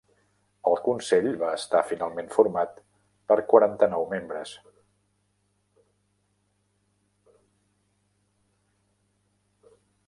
El consell va estar finalment format per quaranta-nou membres.